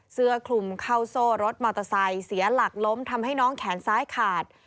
เสื้อคลุมเข้าโซ่รถมอเตอร์ไซค์เสียหลักล้มทำให้น้องแขนซ้ายขาด